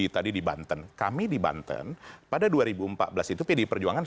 tadi di banten kami di banten pada dua ribu empat belas itu pdi perjuangan